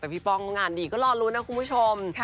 แต่พี่ป้องงานดีก็รอลุ้นนะคุณผู้ชม